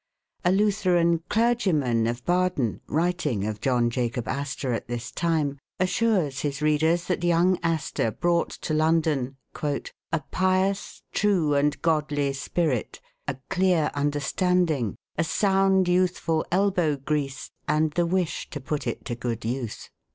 A Lutheran clergyman of Baden, writing of John Jacob Astor at this time, assures his readers that young Astor brought to London, "A pious, true and godly spirit, a clear understanding, a sound youtliful elbow grease, and the wish to put it to good use.